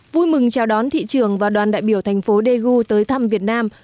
vui mừng chào đón thị trường và đoàn đại biểu thành phố daegu tới thăm việt nam